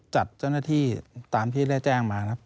จัดเจ้าหน้าที่ตามที่ได้แจ้งมาครับ